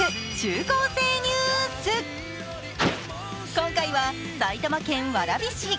今回は埼玉県蕨市。